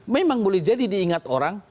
memang boleh jadi diingat orang